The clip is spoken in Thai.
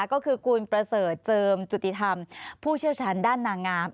ก็คือคุณประเสริฐเจิมจุติธรรมผู้เชี่ยวชาญด้านนางงาม